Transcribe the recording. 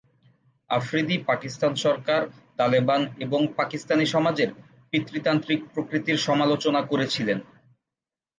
আফ্রিদি পাকিস্তান সরকার, তালেবান এবং পাকিস্তানী সমাজের পিতৃতান্ত্রিক প্রকৃতির সমালোচনা করেছিলেন।